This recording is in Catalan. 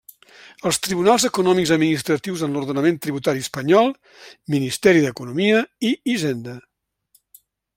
Els tribunals Econòmics Administratius en l'ordenament tributari espanyol, Ministeri d'Economia i Hisenda.